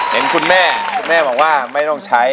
เห็นคุณแม่คุณแม่บอกว่าไม่ต้องใช้